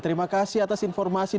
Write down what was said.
terima kasih atas informasi